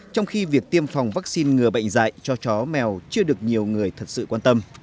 trong khi việc tiêm phòng vaccine ngừa bệnh dạy cho chó mèo chưa được nhiều người thật sự quan tâm